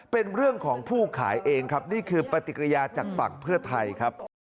เป็นเรื่องของผู้ขายเองครับนี่คือปฏิกิริยาจากฝั่งเพื่อไทยครับ